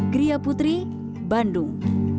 gria putri bandung